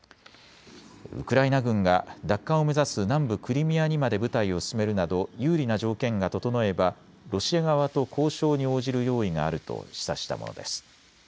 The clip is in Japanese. ウクライナ軍が奪還を目指す南部クリミアにまで部隊を進めるなど有利な条件が整えばロシア側と交渉に応じる用意があると示唆したものです。